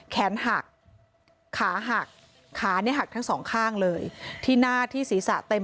แขนหักขาหักขาเนี่ยหักทั้งสองข้างเลยที่หน้าที่ศีรษะเต็ม